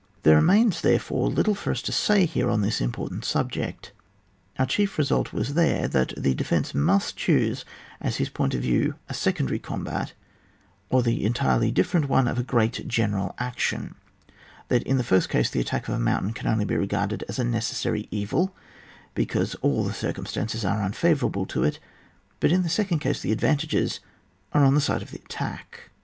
There remains, therefore, little for us to say here on this important subject. Our chief result was there that the defence must choose as his point of view a secondary Combat, or the entirely different one of a great general action ; that in the first case the attack of a mountain can only be regarded as a necessary evil, because all the circum stances are unfavourable to it ; but in the second case the advantages are on the side of the attack